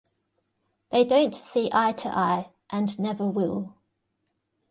They don't see eye-to-eye and never will.